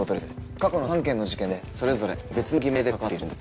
過去の３件の事件でそれぞれ別の偽名で関わっているんです。